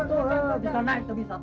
udah aku nangis kare